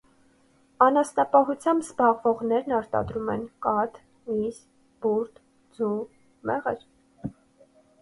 Անասնապահությամբ զբաղվողներն արտադրում են կաթ, միս, բուրդ, ձու, մեղր։